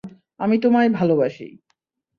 আমি তোমায় ভালোবাসি।